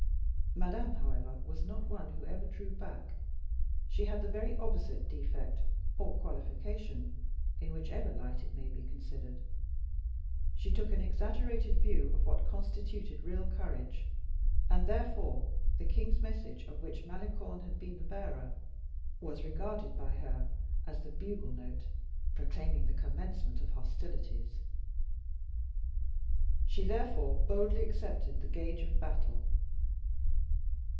Madame, however, was not one who ever drew back; she had the very opposite defect or qualification, in whichever light it may be considered; she took an exaggerated view of what constituted real courage; and therefore the king's message, of which Malicorne had been the bearer, was regarded by her as the bugle note proclaiming the commencement of hostilities. She, therefore, boldly accepted the gage of battle.